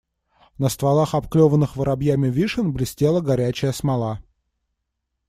На стволах обклеванных воробьями вишен блестела горячая смола.